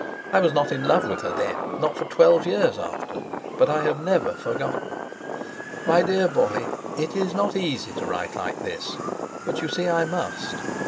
I was not in love with her then, not for twelve years after, but I have never forgotten. My dear boy—it is not easy to write like this. But you see, I must.